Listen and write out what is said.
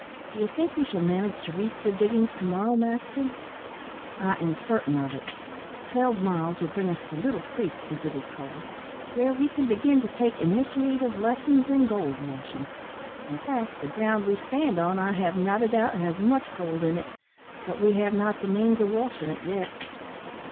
Do you think we shall manage to reach the diggings to morrow, Maxton?" "I am certain of it. Twelve miles will bring us to Little Creek, as it is called, where we can begin to take initiative lessons in gold washing. In fact, the ground we stand on, I have not a doubt, has much gold in it. But we have not the means of washing it yet."